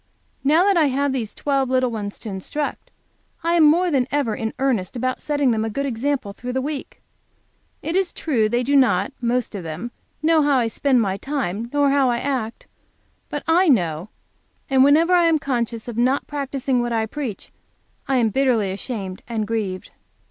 Now that I have these twelve little ones to instruct, I am more than ever in earnest about setting them a good example through the week. It is true they do not, most of them, know how I spend my time, nor how I act. But I know, and whenever I am conscious of not practicing what I preach, I am bitterly ashamed and grieved.